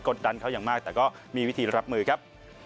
ดันเขาอย่างมากแต่ก็มีวิธีรับมือครับ